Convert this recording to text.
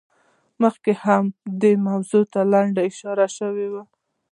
مخکې هم دې موضوع ته لنډه اشاره شوې وه.